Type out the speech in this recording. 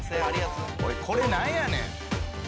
おいこれ何やねん！